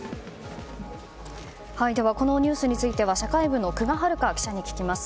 このニュースについては社会部のクガ記者に聞きます。